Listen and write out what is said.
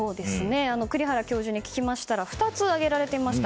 栗原教授に聞きましたら２つ挙げられていました。